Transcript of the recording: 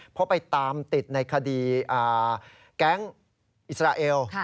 เพราะไปตามติดในคดีแก๊งอิสราเอล